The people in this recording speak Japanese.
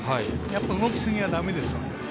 やっぱり動きすぎはだめですね。